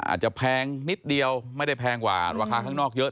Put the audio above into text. แพงนิดเดียวไม่ได้แพงกว่าราคาข้างนอกเยอะ